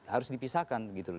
harus dipisahkan gitu loh